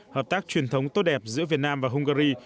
hợp tác truyền thống tốt đẹp giữa việt nam và hungary